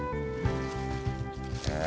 へえ。